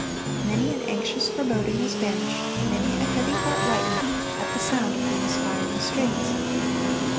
Many an anxious foreboding was banished, many a heavy heart lightened, at the sound of the inspiring strains.